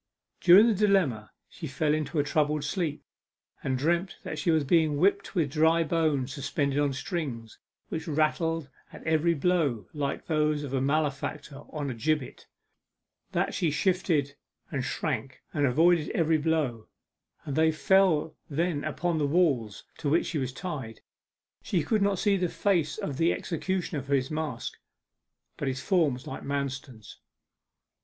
During the dilemma she fell into a troubled sleep, and dreamt that she was being whipped with dry bones suspended on strings, which rattled at every blow like those of a malefactor on a gibbet; that she shifted and shrank and avoided every blow, and they fell then upon the wall to which she was tied. She could not see the face of the executioner for his mask, but his form was like Manston's.